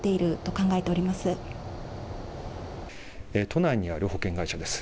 都内にある保険会社です。